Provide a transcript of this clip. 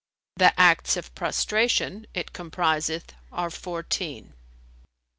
The acts of prostration it compriseth are fourteen."